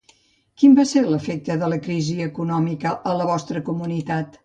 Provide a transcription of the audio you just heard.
Quin va ser l'efecte de la crisi econòmica a la vostra comunitat?